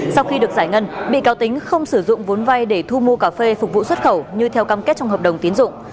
sau khi được giải ngân bị cáo tính không sử dụng vốn vay để thu mua cà phê phục vụ xuất khẩu như theo cam kết trong hợp đồng tiến dụng